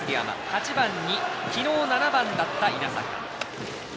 ８番に昨日７番だった稲坂。